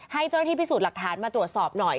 ให้เจ้าหน้าที่พิสูจน์หลักฐานมาตรวจสอบหน่อย